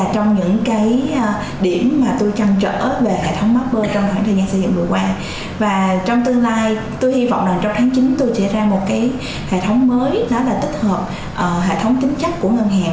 trong tương lai tôi hy vọng trong tháng chín tôi sẽ ra một hệ thống mới tích hợp hệ thống tính chất của ngân hàng